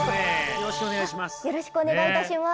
よろしくお願いします。